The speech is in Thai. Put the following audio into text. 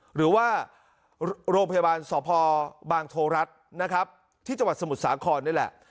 หรือว่าโรงพยาบาลสอบพบางโฑรัตนะครับที่จมูกสามุสาครนี่แหละ